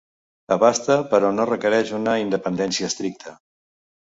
Abasta però no requereix una independència estricta.